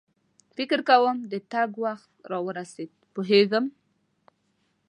فکر کوم د تګ وخت را ورسېد، پوهېږم.